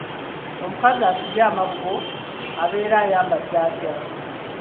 Omukazi asibye amabago abeera ayambadde atya?